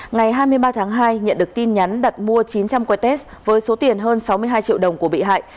ngày hai mươi ba tháng hai nhận được tin nhắn đặt mua chín trăm linh witex với số tiền hơn sáu mươi hai triệu đồng của bị hại